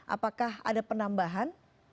apakah ada penambahan